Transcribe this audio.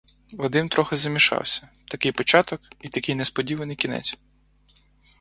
Вадим трохи змішався: такий початок — і такий несподіваний кінець.